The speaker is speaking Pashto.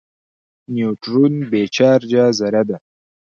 نیوټرون بې چارجه ذره ده.